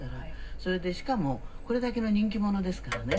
それでしかもこれだけの人気者ですからね。